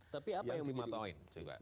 tapi apa yang di matawain juga